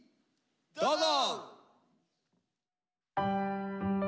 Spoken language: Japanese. どうぞ！